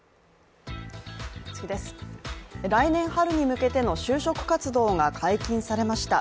来年春に向けての就職活動が解禁されました。